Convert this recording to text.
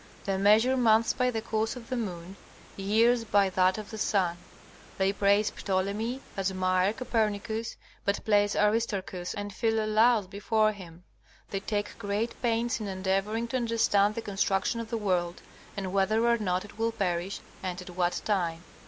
They measure months by the course of the moon, years by that of the sun. They praise Ptolemy, admire Copernicus, but place Aristarchus and Philolaus before him. They take great pains in endeavoring to understand the construction of the world, and whether or not it will perish, and at what time.